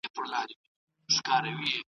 سازمانونه به ګډي ناستي جوړوي.